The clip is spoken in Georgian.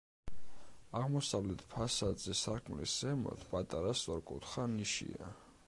აღმოსავლეთ ფასადზე, სარკმლის ზემოთ, პატარა სწორკუთხა ნიშია.